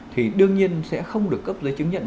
thì đương nhiên sẽ không được cấp giấy chứng nhận